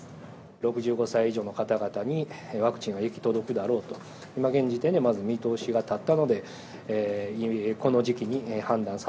６５歳以上の方々にワクチンが行き届くだろうと、今、現時点でまず見通しが立ったので、いよいよこの時期に判断さ